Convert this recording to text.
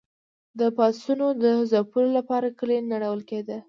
د پاڅونوالو د ځپلو لپاره کلي نړول کېدل.